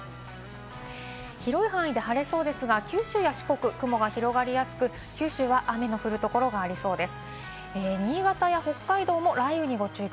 広い範囲で晴れそうですが、九州や四国、雲が広がりやすく、九州は雨の降るところがありそうです。